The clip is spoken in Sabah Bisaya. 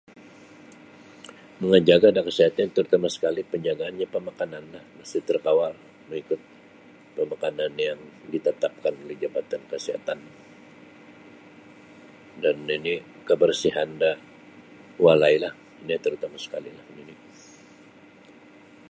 Mamajaga' da kasihatan terutama' sekali' penjagaannyo pemakanananlah mesti terkawal mengikut pemakanan yang ditetapkan oleh Jabatan Kesihatan dan nini' kebersihan da walailah ino tarutama' sekali'lah nini'.